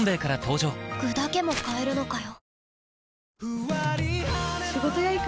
具だけも買えるのかよ